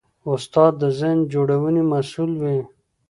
استاد د ذهن جوړونې مسوول وي.